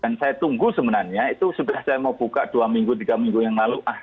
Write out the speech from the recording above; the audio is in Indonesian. dan saya tunggu sebenarnya itu sudah saya mau buka dua minggu tiga minggu yang lalu